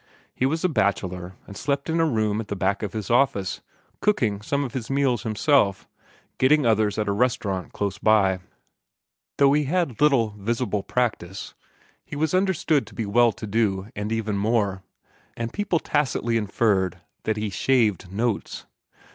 He was a bachelor, and slept in a room at the back of his office, cooking some of his meals himself, getting others at a restaurant close by. Though he had little visible practice, he was understood to be well to do and even more, and people tacitly inferred that he "shaved notes."